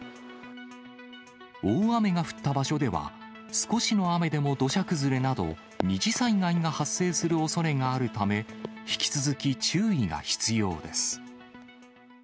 大雨が降った場所では、少しの雨でも土砂崩れなど、二次災害が発生するおそれがあるため、引き続き注意が必要です。